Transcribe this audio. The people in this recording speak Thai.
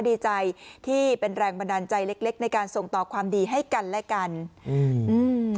ดีใจที่เป็นแรงบันดาลใจเล็กเล็กในการส่งต่อความดีให้กันและกันอืมอืม